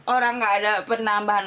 orang nggak ada penambahan